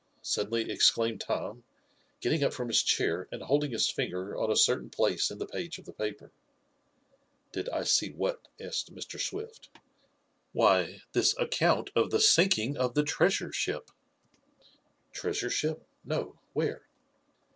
suddenly exclaimed Tom, getting up from his chair, and holding his finger on a certain place in the page of the paper. "Did I see what?" asked Mr. Swift. "Why, this account of the sinking of the treasure ship." "Treasure ship? No. Where?"